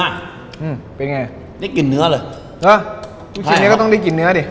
อืมเป็นไงได้กลิ่นเนื้อเหรอฮะลูกชิ้นเนี้ยก็ต้องได้กลิ่นเนื้อดิ